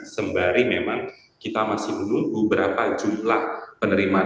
sembari memang kita masih menunggu berapa jumlah penerimaan